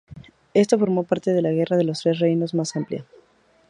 Esto formó parte de la Guerra de los Tres Reinos más amplia.